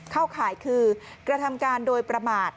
ข่ายคือกระทำการโดยประมาท